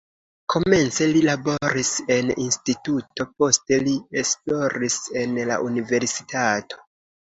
Komence li laboris en instituto, poste li esploris en la universitato.